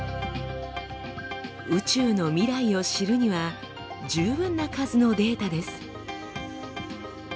宇宙の未来を知るには十分な数のデータです。